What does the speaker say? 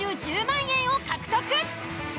１０万円を獲得。